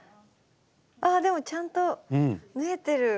あでもちゃんと縫えてる。